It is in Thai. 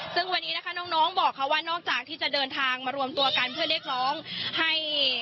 ซึ่งวันนี้นะคะน้องบอกเขาว่านอกจากที่จะเดินทางมารวมตัวกันเพื่อเรียกร้องให้